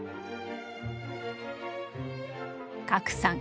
加来さん